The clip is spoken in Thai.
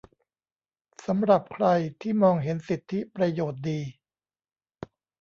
สำหรับใครที่มองเห็นสิทธิประโยชน์ดี